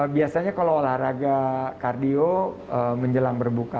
biasanya kalau olahraga kardio menjelang berbuka